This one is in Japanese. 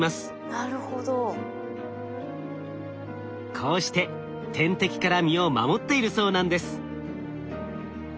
こうして天敵から身を守っているそうなんです。